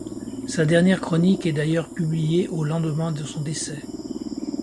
Sa dernière chronique est d'ailleurs publiée au lendemain de son décès.